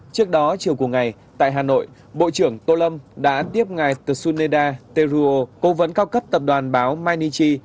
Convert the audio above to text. trước đó chiều cuối ngày tại hà nội bộ trưởng tô lâm đã tiếp ngài tsuneda teruo công vấn cao cấp tập đoàn báo mainichi